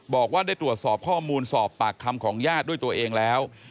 บอกว่าได้ตรวจสอบข้อมูลสอบปากคำของญาติด้วยตัวเองแล้ว